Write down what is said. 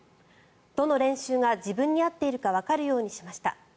どの練習が自分に合っているかわかるようにしました。